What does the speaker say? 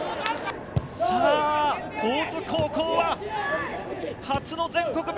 大津高校は初の全国